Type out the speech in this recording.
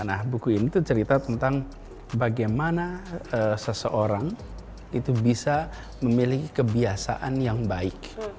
nah buku ini tuh cerita tentang bagaimana seseorang itu bisa memiliki kebiasaan yang baik